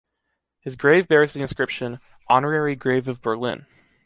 His grave bears the inscription ‘‘Honorary Grave of Berlin.’’